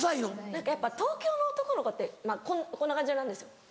何かやっぱ東京の男の子ってこんな感じなんですよ。